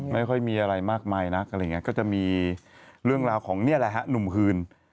ไม่ค่อยมีอะไรมากมายนะก็จะมีเรื่องราวของนุ่มคืน